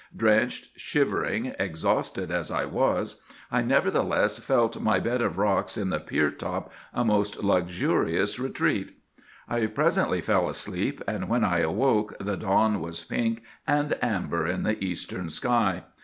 Drenched, shivering, exhausted as I was, I nevertheless felt my bed of rocks in the pier top a most luxurious retreat. I presently fell asleep, and when I awoke the dawn was pink and amber in the eastern sky.